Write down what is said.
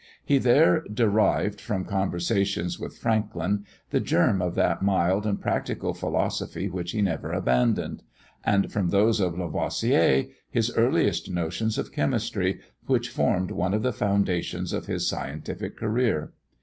He there derived, from conversations with Franklin, the germ of that mild and practical philosophy which he never abandoned; and from those of Lavoisier his earliest notions of chemistry, which formed one of the foundations of his scientific career.